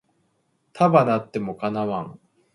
束なっても叶わん